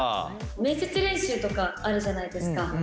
面接練習とかあるじゃないですか。